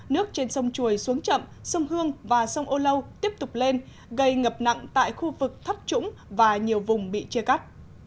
nước trên sông chuồi xuống chậm sông hương và sông âu lâu tiếp tục lên gây ngập nặng tại khu vực thấp trũng và nhiều vùng bị chia cắt